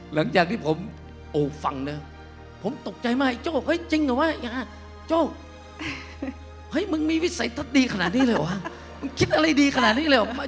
หลังจากที่ผมโอบฟังนะผมตกใจมากไอ้โจ้เฮ้ยจริงเหรอวะยาโจ้เฮ้ยมึงมีวิสัยทัศน์ดีขนาดนี้เลยเหรอวะมึงคิดอะไรดีขนาดนี้เลยเหรอ